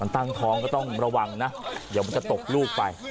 ตั้งท้องก็ต้องระวังนะเดี๋ยวมันจะตกลูกไป